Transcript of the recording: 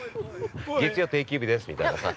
◆月曜定休日です、みたいなさ。